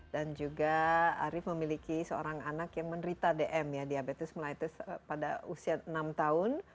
dan juga arief memiliki seorang anak yang menerita dm ya diabetes mellitus pada usia enam tahun